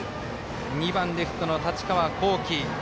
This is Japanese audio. ２番レフトの太刀川幸輝。